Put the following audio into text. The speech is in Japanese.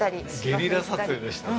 ゲリラ撮影でしたね。